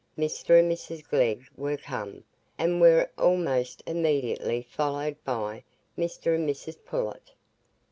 Mr and Mrs Glegg were come, and were almost immediately followed by Mr and Mrs Pullet.